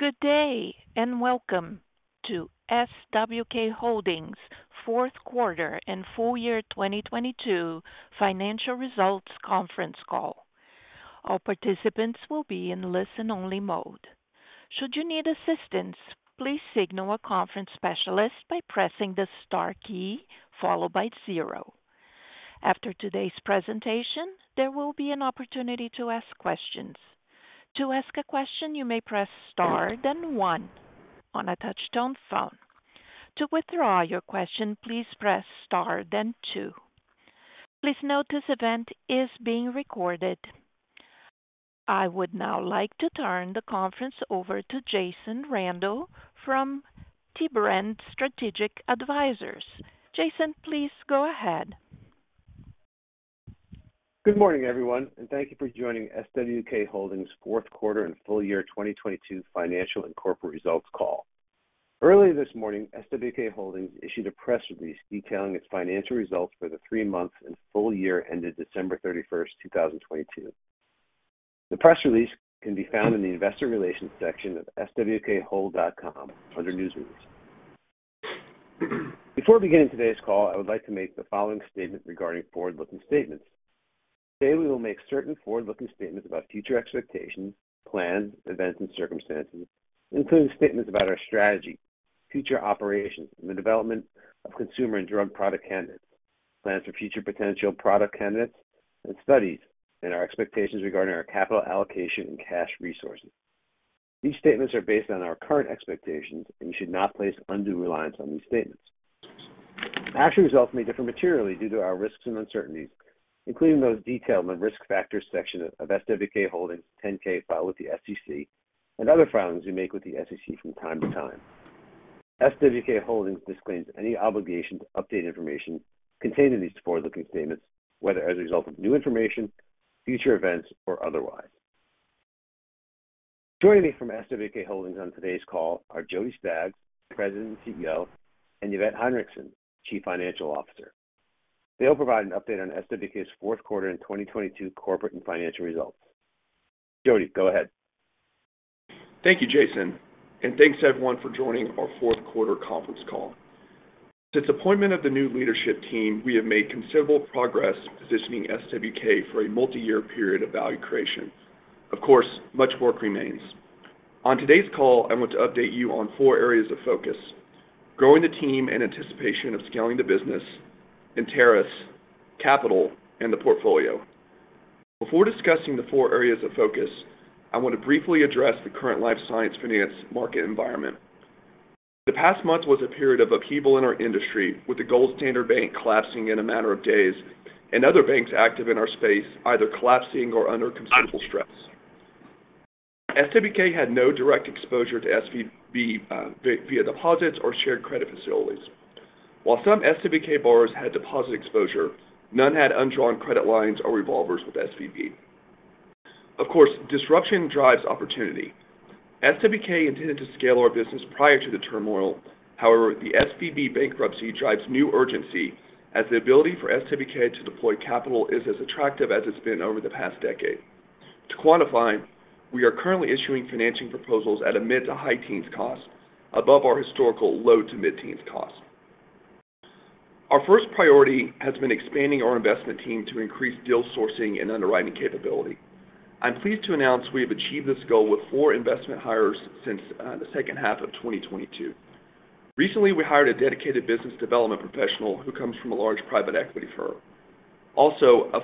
Good day, and welcome to SWK Holdings Fourth Quarter and Full Year 2022 Financial Results Conference Call. All participants will be in listen-only mode. Should you need assistance, please signal a conference specialist by pressing the star key followed by zero. After today's presentation, there will be an opportunity to ask questions. To ask a question, you may press star then one on a touch-tone phone. To withdraw your question, please press star then two. Please note this event is being recorded. I would now like to turn the conference over to Jason Rando from Tiberend Strategic Advisors. Jason, please go ahead. Good morning, everyone, and thank you for joining SWK Holdings fourth quarter and full year 2022 financial and corporate results call. Earlier this morning, SWK Holdings issued a press release detailing its financial results for the three months and full year ended December 31st, 2022. The press release can be found in the investor relations section of swkhold.com under Newsrooms. Before beginning today's call, I would like to make the following statement regarding forward-looking statements. Today, we will make certain forward-looking statements about future expectations, plans, events, and circumstances, including statements about our strategy, future operations, and the development of consumer and drug product candidates, plans for future potential product candidates and studies, and our expectations regarding our capital allocation and cash resources. These statements are based on our current expectations, and you should not place undue reliance on these statements. Actual results may differ materially due to our risks and uncertainties, including those detailed in the Risk Factors section of SWK Holdings' 10-K filed with the SEC and other filings we make with the SEC from time to time. SWK Holdings disclaims any obligation to update information contained in these forward-looking statements, whether as a result of new information, future events, or otherwise. Joining me from SWK Holdings on today's call are Jody Staggs, President and CEO, and Yvette Heinrichson, Chief Financial Officer. They'll provide an update on SWK's fourth quarter in 2022 corporate and financial results. Jody, go ahead. Thank you, Jason, and thanks everyone for joining our fourth quarter conference call. Since appointment of the new leadership team, we have made considerable progress positioning SWK for a multi-year period of value creation. Of course, much work remains. On today's call, I want to update you on four areas of focus: growing the team in anticipation of scaling the business, Enteris' capital, and the portfolio. Before discussing the four areas of focus, I want to briefly address the current life science finance market environment. The past month was a period of upheaval in our industry, with the Gold Standard Bank collapsing in a matter of days and other banks active in our space either collapsing or under considerable stress. SWK had no direct exposure to SVB via deposits or shared credit facilities. While some SWK borrowers had deposit exposure, none had undrawn credit lines or revolvers with SVB. Of course, disruption drives opportunity. SWK intended to scale our business prior to the turmoil. The SVB bankruptcy drives new urgency as the ability for SWK to deploy capital is as attractive as it's been over the past decade. To quantify, we are currently issuing financing proposals at a mid to high teens cost above our historical low to mid-teens cost. Our first priority has been expanding our investment team to increase deal sourcing and underwriting capability. I'm pleased to announce we have achieved this goal with four investment hires since the second half of 2022. Recently, we hired a dedicated business development professional who comes from a large private equity firm. A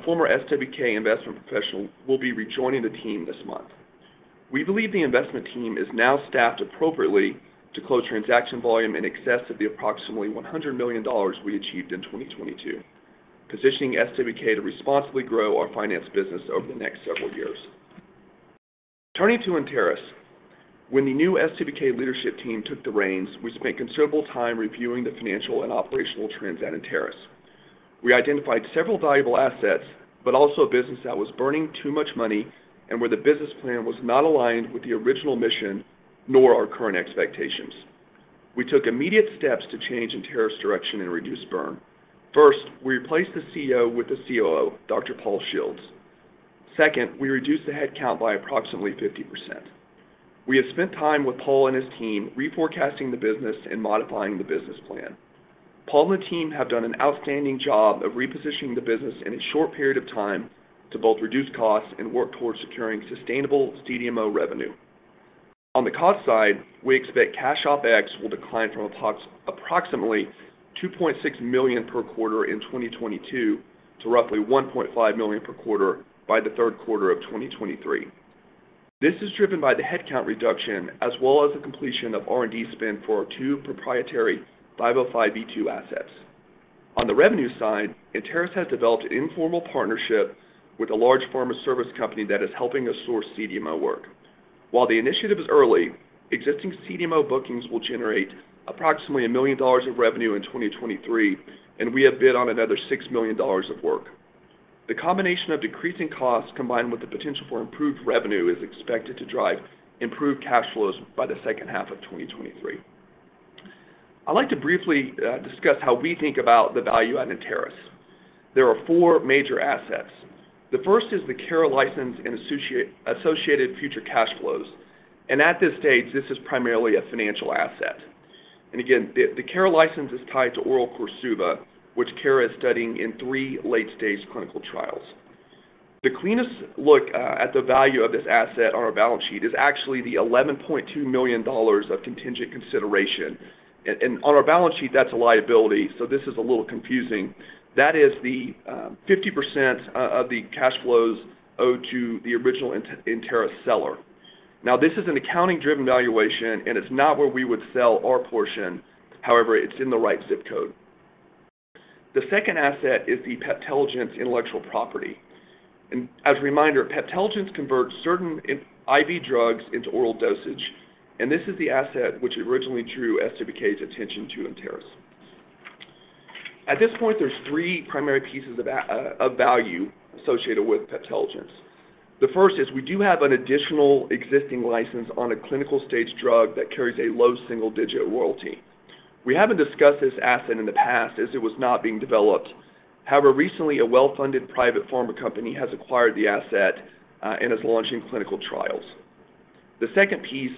former SWK investment professional will be rejoining the team this month. We believe the investment team is now staffed appropriately to close transaction volume in excess of the approximately $100 million we achieved in 2022, positioning SWK to responsibly grow our finance business over the next several years. Turning to Enteris. When the new SWK leadership team took the reins, we spent considerable time reviewing the financial and operational trends at Enteris. We identified several valuable assets, also a business that was burning too much money and where the business plan was not aligned with the original mission nor our current expectations. We took immediate steps to change Enteris' direction and reduce burn. First, we replaced the CEO with the COO, Dr. Paul Shields. Second, we reduced the headcount by approximately 50%. We have spent time with Paul and his team reforecasting the business and modifying the business plan. Paul and the team have done an outstanding job of repositioning the business in a short period of time to both reduce costs and work towards securing sustainable CDMO revenue. On the cost side, we expect cash OpEx will decline from approximately $2.6 million per quarter in 2022 to roughly $1.5 million per quarter by the third quarter of 2023. This is driven by the headcount reduction as well as the completion of R&D spend for our two proprietary 505(b)(2) assets. On the revenue side, Enteris has developed an informal partnership with a large pharma service company that is helping us source CDMO work. While the initiative is early, existing CDMO bookings will generate approximately $1 million of revenue in 2023, and we have bid on another $6 million of work. The combination of decreasing costs combined with the potential for improved revenue is expected to drive improved cash flows by the second half of 2023. I'd like to briefly discuss how we think about the value at Enteris. There are four major assets. The first is the Cara license and associated future cash flows. At this stage, this is primarily a financial asset. Again, the Cara license is tied to oral KORSUVA, which Cara is studying in three late-stage clinical trials. The cleanest look at the value of this asset on our balance sheet is actually the $11.2 million of contingent consideration. On our balance sheet, that's a liability, so this is a little confusing. That is the 50% of the cash flows owed to the original Enteris seller. This is an accounting-driven valuation, and it's not where we would sell our portion. However, it's in the right zip code. The second asset is the Peptelligence intellectual property. As a reminder, Peptelligence converts certain IV drugs into oral dosage, and this is the asset which originally drew SWK's attention to Enteris. At this point, there's 3 primary pieces of value associated with Peptelligence. The first is we do have an additional existing license on a clinical-stage drug that carries a low single-digit royalty. We haven't discussed this asset in the past as it was not being developed. However, recently, a well-funded private pharma company has acquired the asset and is launching clinical trials. The second piece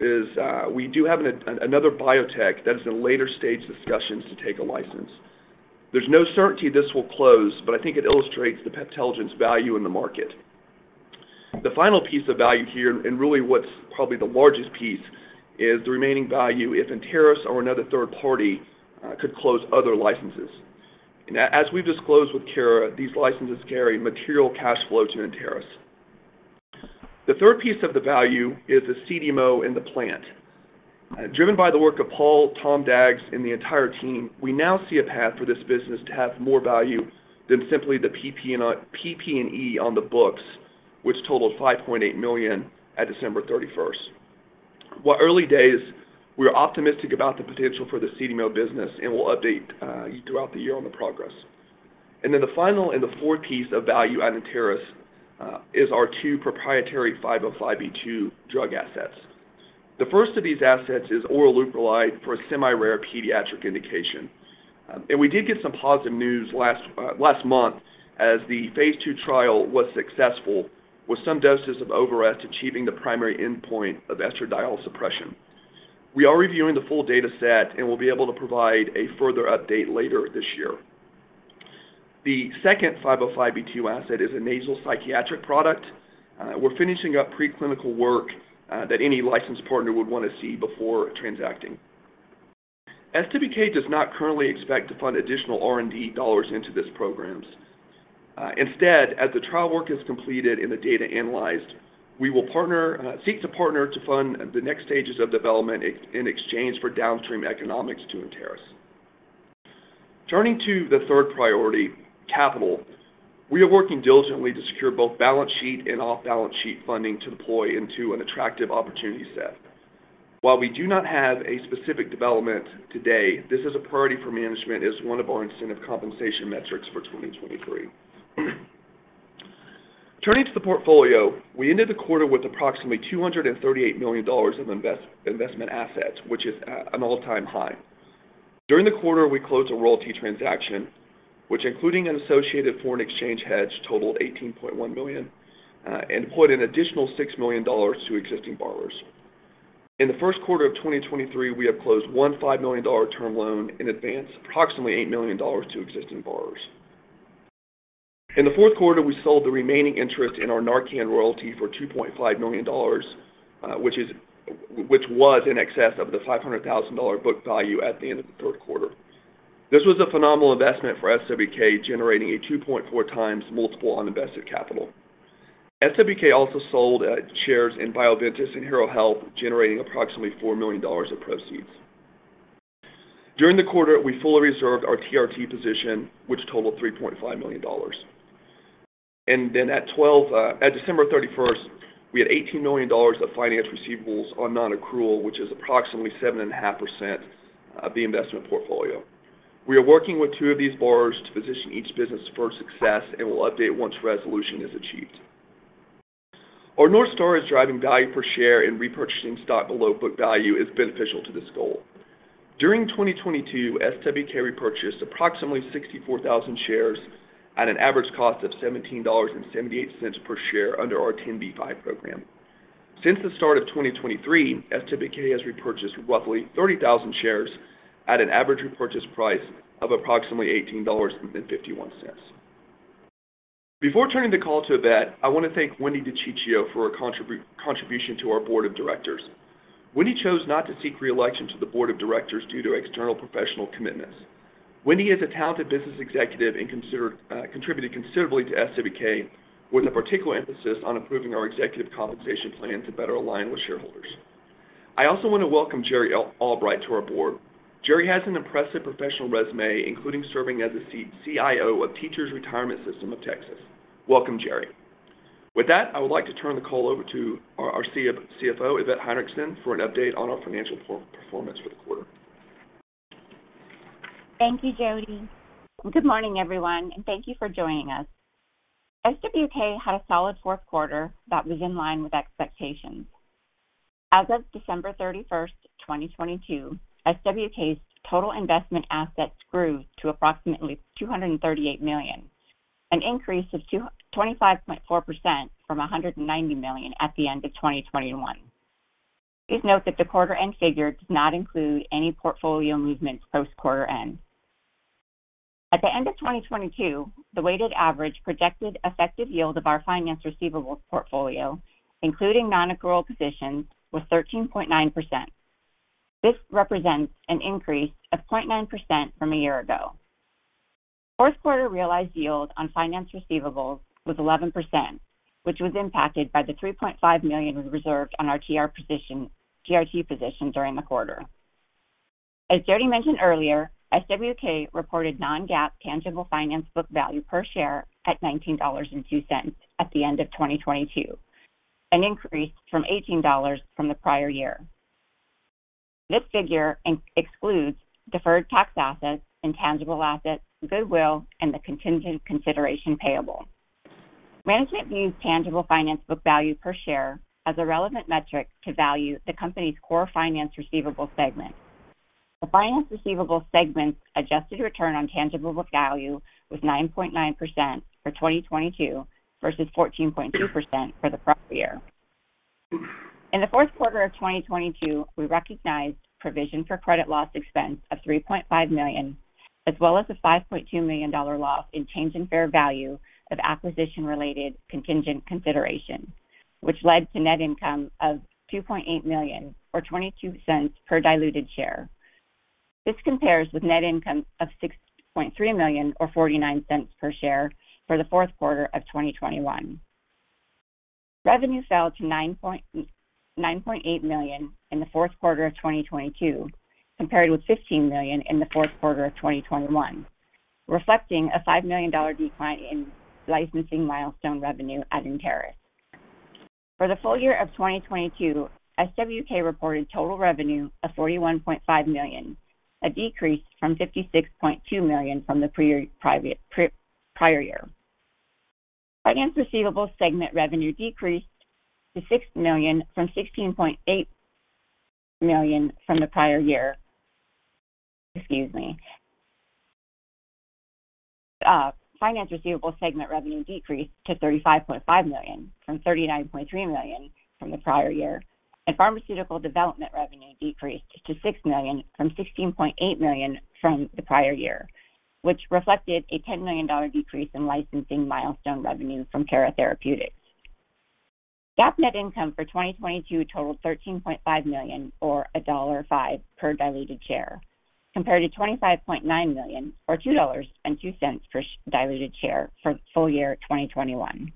is we do have another biotech that is in later-stage discussions to take a license. There's no certainty this will close, but I think it illustrates the Peptelligence value in the market. The final piece of value here, and really what's probably the largest piece, is the remaining value if Enteris or another third party could close other licenses. As we've disclosed with Cara, these licenses carry material cash flows to Enteris. The third piece of the value is the CDMO and the plant. Driven by the work of Paul, Tom Daggs, and the entire team, we now see a path for this business to have more value than simply the PP&E on the books, which totaled $5.8 million at December 31st. While early days, we are optimistic about the potential for the CDMO business, and we'll update you throughout the year on the progress. The final and the fourth piece of value at Enteris is our 2 proprietary 505(b)(2) drug assets. The first of these assets is oral leuprolide for a semi-rare pediatric indication. We did get some positive news last month as the phase 2 trial was successful, with some doses of Ovarest achieving the primary endpoint of estradiol suppression. We are reviewing the full dataset and will be able to provide a further update later this year. The second 505(b)(2) asset is a nasal psychiatric product. We're finishing up preclinical work that any license partner would wanna see before transacting. SWK does not currently expect to fund additional R&D dollars into these programs. Instead, as the trial work is completed and the data analyzed, we will partner, seek to partner to fund the next stages of development in exchange for downstream economics to Enteris. The third priority, capital. We are working diligently to secure both balance sheet and off-balance sheet funding to deploy into an attractive opportunity set. While we do not have a specific development today, this is a priority for management as one of our incentive compensation metrics for 2023. The portfolio, we ended the quarter with approximately $238 million of investment assets, which is at an all-time high. During the quarter, we closed a royalty transaction, which including an associated foreign exchange hedge, totaled $18.1 million and put an additional $6 million to existing borrowers. In the first quarter of 2023, we have closed one $5 million term loan in advance of approximately $8 million to existing borrowers. In the fourth quarter, we sold the remaining interest in our NARCAN royalty for $2.5 million, which was in excess of the $500,000 book value at the end of the third quarter. This was a phenomenal investment for SWK, generating a 2.4x multiple on invested capital. SWK also sold shares in Bioventus and Harrow Health, generating approximately $4 million of proceeds. During the quarter, we fully reserved our TRT position, which totaled $3.5 million. At December 31st, we had $18 million of finance receivables on nonaccrual, which is approximately 7.5% of the investment portfolio. We are working with two of these borrowers to position each business for success and will update once resolution is achieved. Our North Star is driving value per share and repurchasing stock below book value is beneficial to this goal. During 2022, SWK repurchased approximately 64,000 shares at an average cost of $17.78 per share under our 10b5-1 program. Since the start of 2023, SWK has repurchased roughly 30,000 shares at an average repurchase price of approximately $18.51. Before turning the call to Yvette, I wanna thank Wendy DiCicco for her contribution to our board of directors. Wendy chose not to seek re-election to the board of directors due to external professional commitments. Wendy is a talented business executive and considered contributed considerably to SWK with a particular emphasis on improving our executive compensation plan to better align with shareholders. I also wanna welcome Jerry Albright to our board. Jerry has an impressive professional resume, including serving as the CIO of Teacher Retirement System of Texas. Welcome, Jerry. With that, I would like to turn the call over to our CFO, Yvette Heinrichson, for an update on our financial performance for the quarter. Thank you, Jody. Good morning, everyone, and thank you for joining us. SWK had a solid fourth quarter that was in line with expectations. As of December 31st, 2022, SWK's total investment assets grew to approximately $238 million, an increase of 25.4% from $190 million at the end of 2021. Please note that the quarter end figure does not include any portfolio movements post-quarter end. At the end of 2022, the weighted average projected effective yield of our finance receivables portfolio, including non-accrual positions, was 13.9%. This represents an increase of 0.9% from a year ago. Fourth quarter realized yield on finance receivables was 11%, which was impacted by the $3.5 million we reserved on our TRT position during the quarter. As Jody mentioned earlier, SWK reported non-GAAP tangible finance book value per share at $19.02 at the end of 2022, an increase from $18 from the prior year. This figure excludes deferred tax assets, intangible assets, goodwill, and the contingent consideration payable. Management views tangible finance book value per share as a relevant metric to value the company's core finance receivable segment. The finance receivable segment's adjusted return on tangible book value was 9.9% for 2022 versus 14.2% for the prior year. In the fourth quarter of 2022, we recognized provision for credit loss expense of $3.5 million, as well as a $5.2 million loss in change in fair value of acquisition-related contingent consideration, which led to net income of $2.8 million or $0.22 per diluted share. This compares with net income of $6.3 million or $0.49 per share for the fourth quarter of 2021. Revenue fell to $9.8 million in the fourth quarter of 2022, compared with $15 million in the fourth quarter of 2021, reflecting a $5 million decline in licensing milestone revenue as Enteris. For the full year of 2022, SWK reported total revenue of $41.5 million, a decrease from $56.2 million from the prior year. Finance receivable segment revenue decreased to $6 million from $16.8 million from the prior year. Excuse me. Finance receivable segment revenue decreased to $35.5 million from $39.3 million from the prior year. Pharmaceutical development revenue decreased to $6 million from $16.8 million from the prior year, which reflected a $10 million decrease in licensing milestone revenue from Cara Therapeutics. GAAP net income for 2022 totaled $13.5 million or $1.05 per diluted share, compared to $25.9 million or $2.02 per diluted share for full year 2021.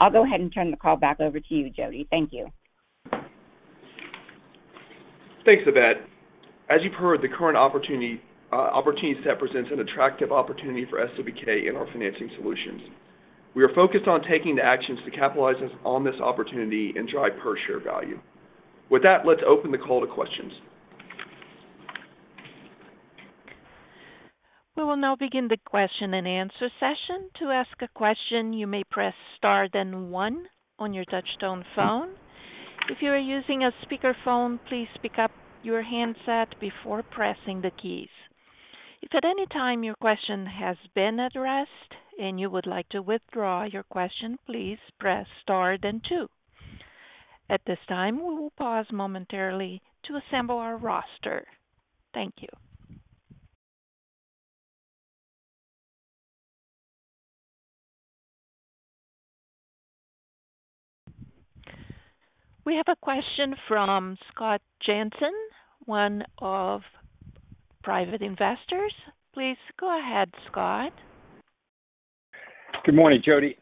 I'll go ahead and turn the call back over to you, Jody. Thank you. Thanks, Yvette. As you've heard, the current opportunity set presents an attractive opportunity for SWK in our financing solutions. We are focused on taking the actions to capitalize us on this opportunity and drive per share value. With that, let's open the call to questions. We will now begin the question and answer session. To ask a question, you may press Star then 1 on your touchtone phone. If you are using a speakerphone, please pick up your handset before pressing the keys. If at any time your question has been addressed and you would like to withdraw your question, please press Star then two. At this time, we will pause momentarily to assemble our roster. Thank you. We have a question from Scott Janssen, one of private investors. Please go ahead, Scott. Good morning, Jody.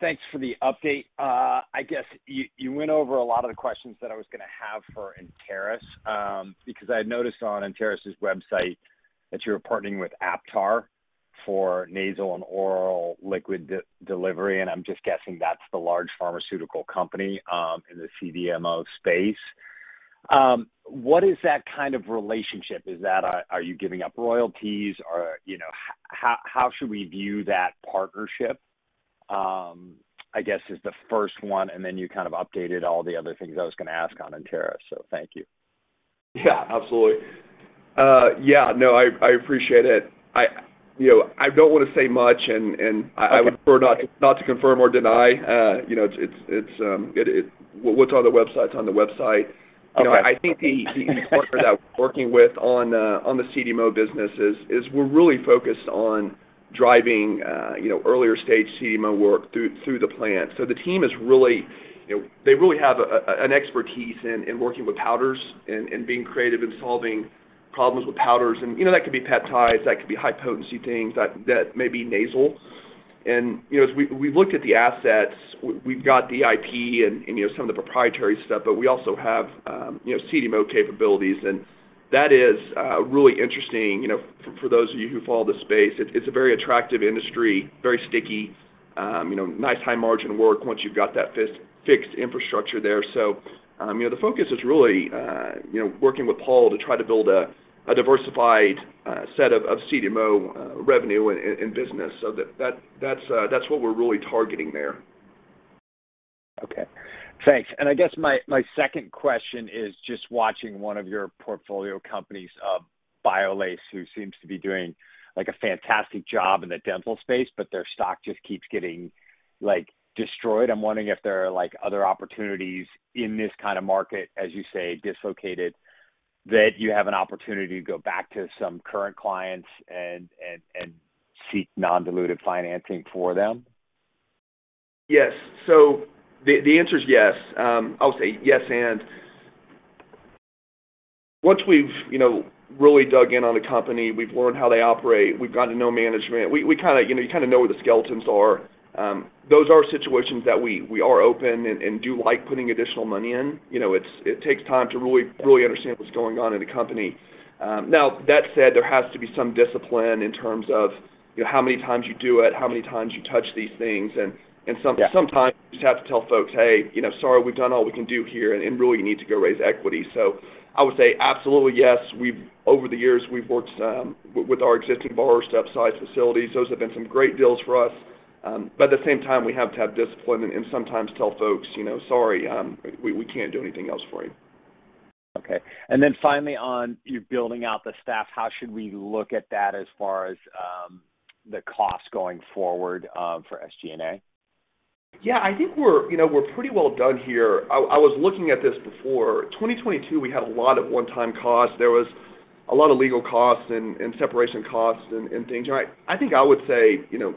Thanks for the update. I guess you went over a lot of the questions that I was gonna have for Enteris, because I had noticed on Enteris' website that you were partnering with Aptar for nasal and oral liquid delivery, and I'm just guessing that's the large pharmaceutical company in the CDMO space. What is that kind of relationship? Are you giving up royalties? Or, you know, how should we view that partnership? I guess is the first one. You kind of updated all the other things I was gonna ask on Enteris. Thank you. Yeah, absolutely. Yeah, no, I appreciate it. I, you know, I don't wanna say much and I would prefer not to confirm or deny. You know, it's What's on the website is on the website. Okay. You know, I think the partners that we're working with on the CDMO business, we're really focused on driving, you know, earlier stage CDMO work through the plant. The team is really, you know, they really have an expertise in working with powders and being creative and solving problems with powders. You know, that could be peptides, that could be high potency things that may be nasal. You know, as we've looked at the assets, we've got the IP and, you know, some of the proprietary stuff, but we also have, you know, CDMO capabilities, and that is really interesting. You know, for those of you who follow the space, it's a very attractive industry, very sticky. You know, nice high margin work once you've got that fixed infrastructure there. You know, the focus is really, you know, working with Paul to try to build a diversified set of CDMO revenue and business so that's what we're really targeting there. Okay. Thanks. I guess my second question is just watching one of your portfolio companies, Biolase, who seems to be doing like a fantastic job in the dental space. Their stock just keeps getting, like, destroyed. I'm wondering if there are, like, other opportunities in this kind of market, as you say, dislocated, that you have an opportunity to go back to some current clients and seek non-dilutive financing for them. Yes. The answer is yes. I'll say yes and. Once we've, you know, really dug in on a company, we've learned how they operate, we've gotten to know management, we kinda, you know, you kinda know where the skeletons are, those are situations that we are open and do like putting additional money in. You know, it takes time to really understand what's going on in the company. That said, there has to be some discipline in terms of, you know, how many times you do it, how many times you touch these things, and sometimes- Yeah. You just have to tell folks, "Hey, you know, sorry, we've done all we can do here, and really you need to go raise equity." I would say absolutely yes. Over the years, we've worked with our existing borrowers to upsize facilities. Those have been some great deals for us. At the same time, we have to have discipline and sometimes tell folks, you know, "Sorry, we can't do anything else for you. Okay. Finally on you building out the staff, how should we look at that as far as the cost going forward for SG&A? Yeah. I think we're, you know, we're pretty well done here. I was looking at this before. 2022, we had a lot of one-time costs. There was a lot of legal costs and separation costs and things. I think I would say, you know,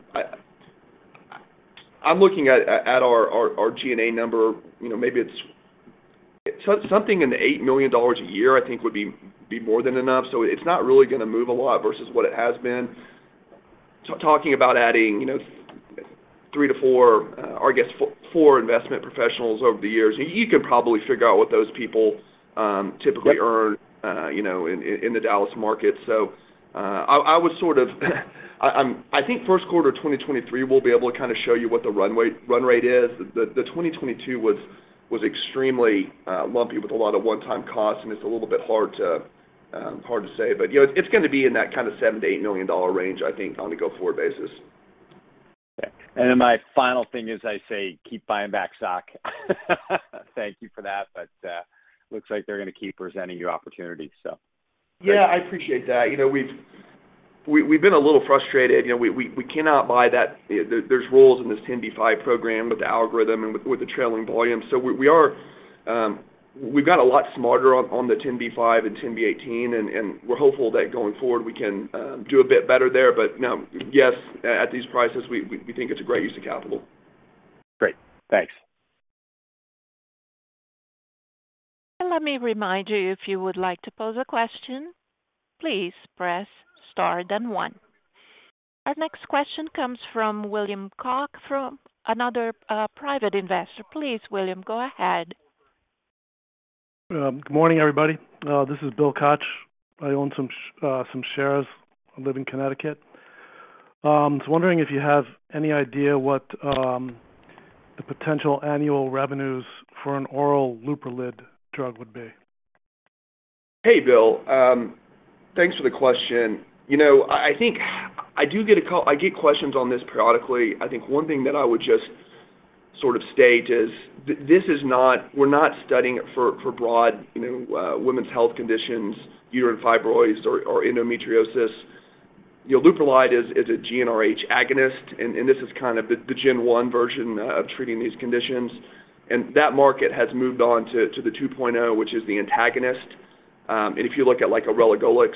I'm looking at our G&A number, you know, maybe it's something in the $8 million a year I think would be more than enough. It's not really gonna move a lot versus what it has been. Talking about adding, you know, 3-4, or I guess 4 investment professionals over the years. You can probably figure out what those people. Yep. typically earn, you know, in the Dallas market. I would sort of... I think first quarter of 2023, we'll be able to kinda show you what the run rate is. The 2022 was extremely lumpy with a lot of one-time costs, and it's a little bit hard to say. You know, it's going to be in that kind of $7 million-$8 million range, I think, on a go-forward basis. Okay. My final thing is I say keep buying back stock. Thank you for that, but, looks like they're gonna keep presenting you opportunities, so. Yeah, I appreciate that. You know, we've been a little frustrated. You know, we cannot buy that. There's rules in this 10b5-1 program with the algorithm and with the trailing volume. We are. We've got a lot smarter on the 10b5-1 and 10b-18 and we're hopeful that going forward, we can do a bit better there. No, yes, at these prices, we think it's a great use of capital. Great. Thanks. Let me remind you, if you would like to pose a question, please press star then one. Our next question comes from William Koch from another private investor. Please, William, go ahead. Good morning, everybody. This is Bill Koch. I own some shares. I live in Connecticut. I was wondering if you have any idea what the potential annual revenues for an oral Lupron Depot drug would be. Hey, Bill, thanks for the question. You know, I think I do get a call. I get questions on this periodically. I think one thing that I would just sort of state is this is not, we're not studying it for broad, you know, women's health conditions, uterine fibroids or endometriosis. You know, Leuprolide is a GnRH agonist, and this is kind of the gen 1 version of treating these conditions. That market has moved on to the 2.0, which is the antagonist. If you look at, like, elagolix,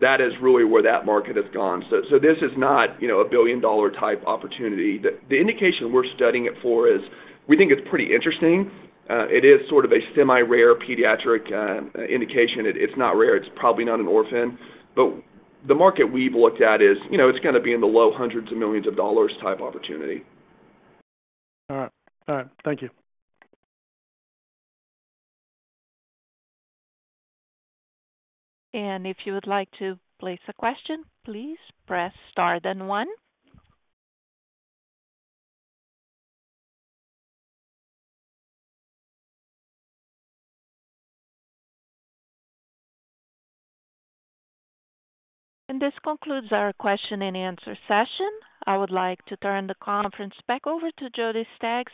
that is really where that market has gone. This is not, you know, a billion-dollar type opportunity. The, the indication we're studying it for is we think it's pretty interesting. It is sort of a semi-rare pediatric, indication. It's not rare, it's probably not an orphan, but the market we've looked at is, you know, it's gonna be in the low $hundreds of millions type opportunity. All right. All right. Thank you. If you would like to place a question, please press star then one. This concludes our question-and-answer session. I would like to turn the conference back over to Jody Staggs.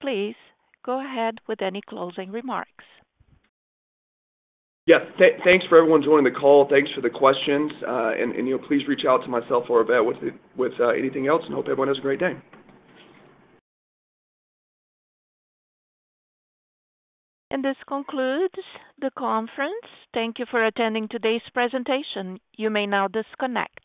Please go ahead with any closing remarks. Yeah. Thanks for everyone joining the call. Thanks for the questions. You know, please reach out to myself or Yvette with anything else. Hope everyone has a great day. This concludes the conference. Thank you for attending today's presentation. You may now disconnect.